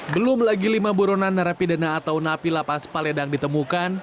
belum lagi lima buronan narapidana atau napi lapas paledang ditemukan